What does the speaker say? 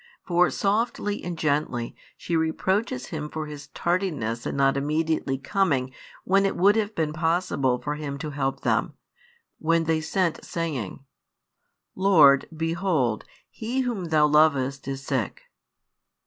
For softly and gently she reproaches Him for His tardiness in not immediately coming when it would have been possible for Him to help them, when they sent saying: Lord, behold, he whom Thou lovest is side.